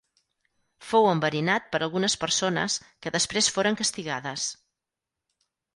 Fou enverinat per algunes persones que després foren castigades.